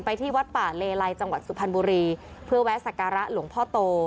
ที่วัดป่าเลไลจังหวัดสุพรรณบุรีเพื่อแวะสการะหลวงพ่อโต